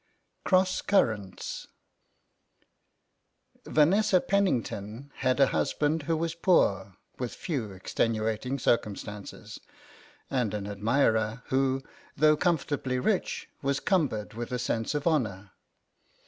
CROSS CURRENTS VANESSA PENNINGTON had a husband who was poor, with few extenuating circumstances, and an admirer who, though comfortably rich, was cumbered with a sense of honour.